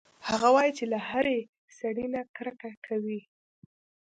هغه وايي چې له هر سړي نه کرکه کوي